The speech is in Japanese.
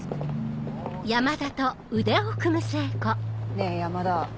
ねぇ山田。